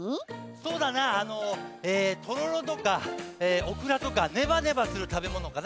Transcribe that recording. そうだな「とろろ」とか「おくら」とかねばねばするたべものかな。